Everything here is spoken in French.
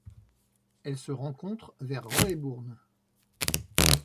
Elle se rencontre vers Roebourne.